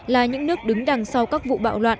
là những nước đứng đằng sau các vụ bạo loạn